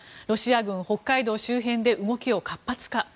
ロシア軍北海道周辺で動きを活発化。